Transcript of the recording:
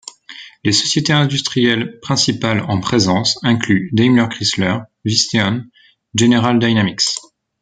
Les sociétés industrielles principales en présence incluent DaimlerChrysler, Visteon, General Dynamics.